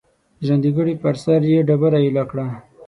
ژرندګړی پر سر یې ډبره ایله کړه.